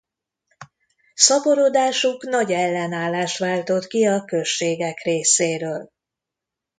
Szaporodásuk nagy ellenállást váltott ki a községek részéről.